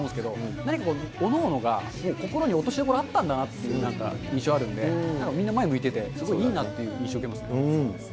何かこう、おのおのが心に落としどころあったんだなっていう印象あったんで、みんな前向いてて、すごいいいなという印象を受けましたね。